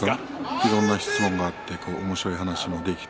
いろんな質問があっておもしろい話もできて。